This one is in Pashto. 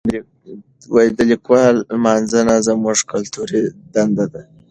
د لیکوالو لمانځنه زموږ کلتوري دنده ده.